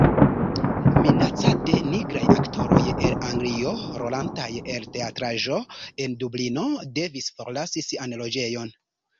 Minacate, nigraj aktoroj el Anglio, rolantaj en teatraĵo en Dublino, devis forlasi sian loĝejon.